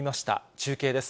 中継です。